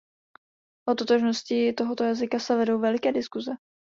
O totožnosti tohoto jazyka se vedou veliké diskuze.